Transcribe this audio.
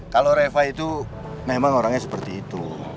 kalau reva itu memang orangnya seperti itu